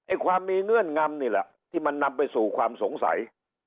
ความมีเงื่อนงำนี่แหละที่มันนำไปสู่ความสงสัย